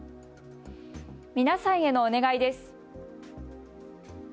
皆さんへのお願いです。